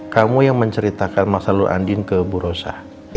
kamu yang menceritakan masalah lu andien ke bu rosa